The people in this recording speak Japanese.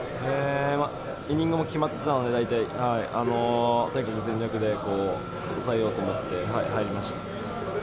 イニングも決まってたので、大体、抑えようと思って入りました。